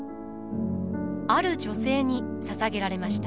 ある女性にささげられました。